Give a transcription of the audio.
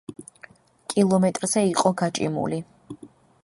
კმ-ზე იყო გაჭიმული.